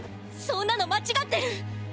そんなの間違ってる！！